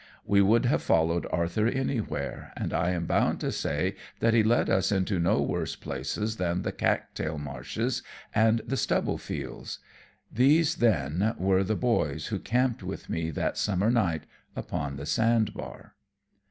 We would have followed Arthur anywhere, and I am bound to say that he led us into no worse places than the cattail marshes and the stubble fields. These, then, were the boys who camped with me that summer night upon the sand bar.